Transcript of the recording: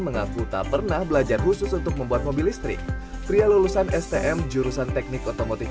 mengaku tak pernah belajar khusus untuk membuat mobil listrik pria lulusan stm jurusan teknik otomotif